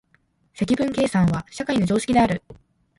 積分計算は社会の常識である。